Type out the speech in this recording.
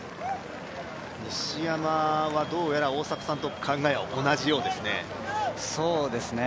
西山はどうやら大迫さんと考え同じようですね。